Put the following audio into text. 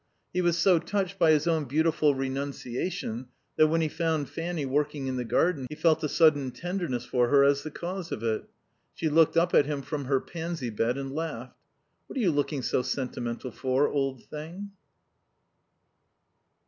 He was so touched by his own beautiful renunciation that when he found Fanny working in the garden he felt a sudden tenderness for her as the cause of it. She looked up at him from her pansy bed and laughed. "What are you looking so sentimental for, old thing?"